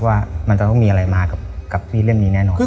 ว่ามันจะต้องมีอะไรมากับพี่เล่มนี้แน่นอน